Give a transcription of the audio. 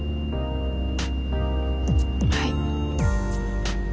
はい。